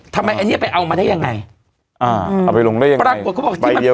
ทำไมอันเนี้ยไปเอามาได้ยังไงอ่าเอาไปลงได้ยังไง